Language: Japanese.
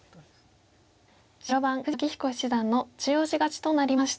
白番富士田明彦七段の中押し勝ちとなりました。